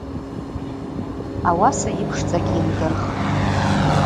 Ауаса йыпшцӏа гьйымдырхтӏ.